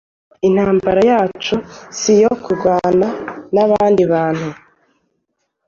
Intambara yacu si iyo kurwana n’abandi bantu